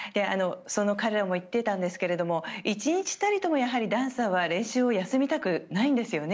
彼らも言っていたんですが１日たりともダンサーは練習を休みたくないんですよね。